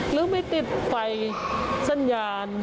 หรือไม่ติดไฟสัญญาณ